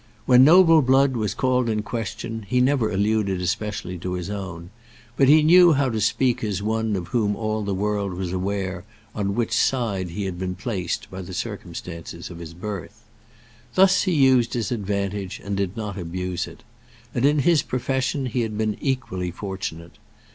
When noble blood was called in question he never alluded specially to his own, but he knew how to speak as one of whom all the world was aware on which side he had been placed by the circumstances of his birth. Thus he used his advantage, and did not abuse it. And in his profession he had been equally fortunate.